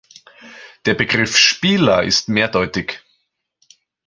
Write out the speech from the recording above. Der Begriff "Spieler" ist mehrdeutig.